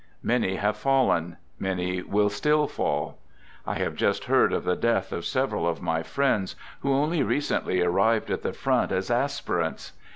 Many have fallen; many will still fall. I have just heard of the death of several of my friends who only recently arrived at the front as aspirants.